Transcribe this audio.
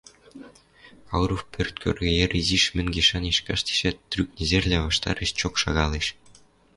Кауров пӧрт кӧргӹ йӹр изиш мӹнгеш-анеш каштешӓт, трӱк незервлӓ ваштареш чок шагалеш.